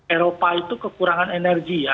eropa itu kekurangan energi ya